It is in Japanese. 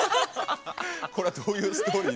これは、どういうストーリー？